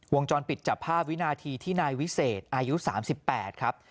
วงจรปิดจับภาพวินาทีที่นายวิเศษอายุ๓๘ครับ